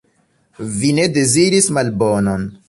Vi ne deziris malbonon.